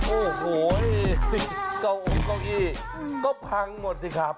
โอ้โหเก้าองเก้าอี้ก็พังหมดสิครับ